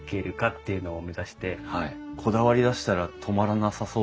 はいこだわりだしたら止まらなさそうですよね。